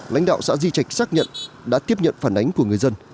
lãnh đạo xã di trạch xác nhận đã tiếp nhận phản ánh của người dân